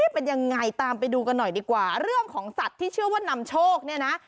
เป็นยังไงตามไปดูกันหน่อยดีกว่าเรื่องของสัตว์ที่เชื่อว่านำโชคเนี่ยนะ